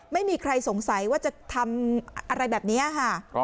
ไม่มีใครสงสัยว่าจะทำอะไรแบบนี้ค่ะ